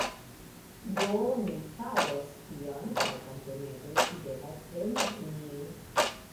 Do, ni faros tion kaj kompreneble vi devas veni kun mi